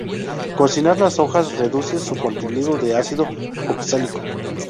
Cocinar las hojas reduce su contenido de ácido oxálico.